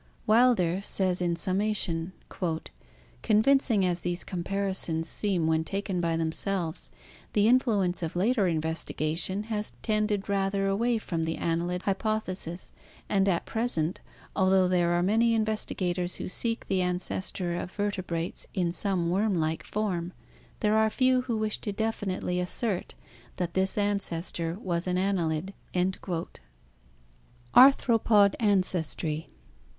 Wilder says in summation: "Convincing as these comparisons seem when taken by themselves, the influence of later investigation has tended rather away from the annelid hypothesis, and at present, although there are many investigators who seek the ancestor of vertebrates in some worm like form, there are few who wish to definitely assert that this ancestor was an annelid." Arthropod Ancestry.